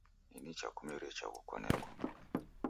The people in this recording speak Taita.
Ni nicha kumerie chaghu kwanekwa